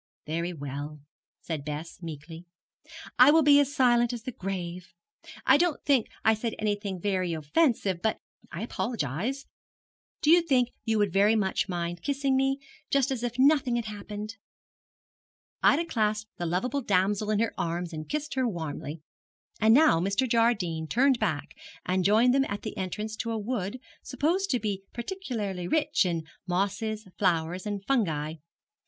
'Very well,' said Bess, meekly, 'I will be as silent as the grave. I don't think I said anything very offensive, but I apologize. Do you think you would very much mind kissing me, just as if nothing had happened?' Ida clasped the lovable damsel in her arms and kissed her warmly. And now Mr. Jardine turned back and joined them at the entrance to a wood supposed to be particularly rich in mosses, flowers, and fungi.